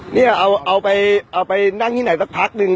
เนี่ยเอาเอาไปเอาไปนั่งให้ไหนสักพักหนึ่ง